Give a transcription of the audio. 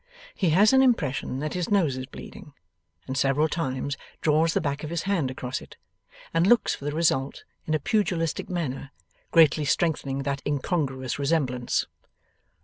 He has an impression that his nose is bleeding, and several times draws the back of his hand across it, and looks for the result, in a pugilistic manner, greatly strengthening that incongruous resemblance.